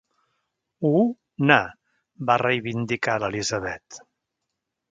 U, na —va reivindicar l'Elisabet.